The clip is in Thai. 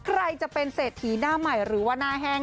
ใครจะเป็นเศรษฐีหน้าใหม่หรือว่าหน้าแห้ง